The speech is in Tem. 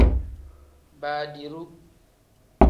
Baadiru.